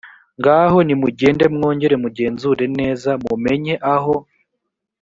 ngaho nimugende mwongere mugenzure neza mumenye aho